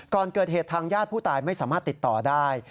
ก่อนเกิดเหตุทางญาติผู้ตายไม่สามารถติดต่อได้